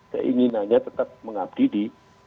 keinginannya tetap mengabdi di